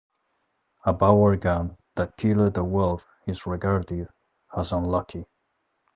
A bow or gun that killed a wolf is regarded as unlucky.